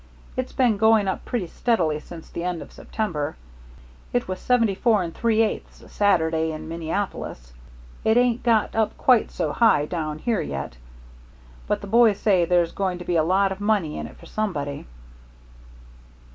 It's been going up pretty steadily since the end of September it was seventy four and three eighths Saturday in Minneapolis. It ain't got up quite so high down here yet, but the boys say there's going to be a lot of money in it for somebody."